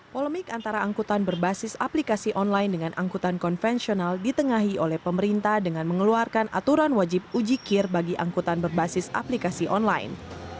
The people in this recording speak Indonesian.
polemik antara angkutan berbasis aplikasi online dengan angkutan konvensional ditengahi oleh pemerintah dengan mengeluarkan aturan wajib ujikir bagi angkutan berbasis aplikasi online